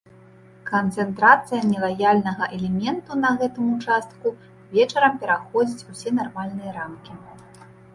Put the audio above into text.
Канцэнтрацыя нелаяльнага элементу на гэтым участку вечарам пераходзіць усе нармальныя рамкі.